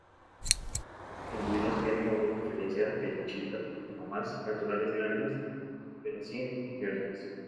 Otros individuos tienen una preferencia fetichista por las mamas "naturales" grandes pero sin injertos.